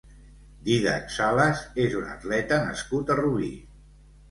Dídac Salas és un atleta nascut a Rubí.